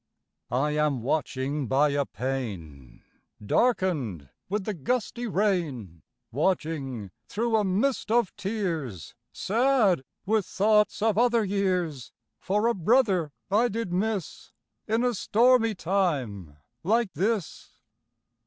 I am watching by a pane Darkened with the gusty rain, Watching, through a mist of tears, Sad with thoughts of other years, For a brother I did miss In a stormy time like this.